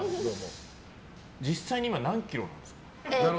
実際に今何キロなんですか？